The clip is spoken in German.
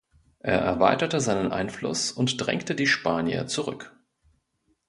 Er erweiterte seinen Einfluss und drängte die Spanier zurück.